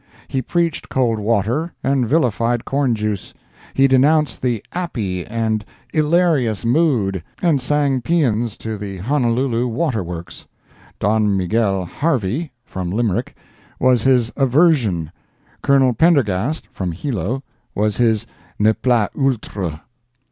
He preached cold water and villified corn juice—he denounced the 'appy and 'ilarious mood, and sang paeans to the Honolulu Water Works; Don Miguel Harvi (from Limerick) was his aversion, Colonel Pendergast (from Hilo) was his ne plus ultra.